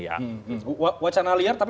wacana liar tapi maksudnya bukan wacana resmi